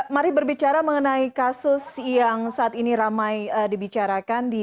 mari berbicara mengenai kasus yang saat ini ramai dibicarakan